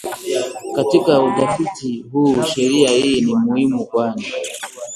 Katika utafiti huu sheria hii ni muhimu kwani